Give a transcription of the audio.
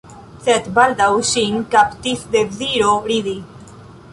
Sed baldaŭ ŝin kaptis deziro ridi.